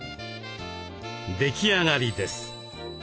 出来上がりです。